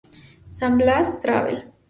San Blas Travel